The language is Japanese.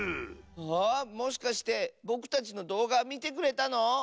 あもしかしてぼくたちのどうがみてくれたの？